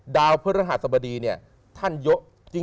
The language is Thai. ดาวพฤหาสบดีเนี่ยท่านเยอะ